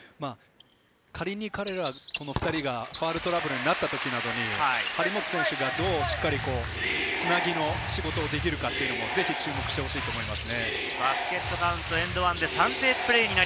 仮に彼ら、この２人がファウルトラブルになった時など、張本選手がどうつなぎの仕事ができるか、ぜひ注目してほしいです。